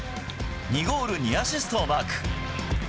２ゴール２アシストをマーク。